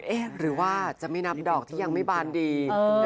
หรือว่าจะไม่นับดอกที่ยังไม่บานดี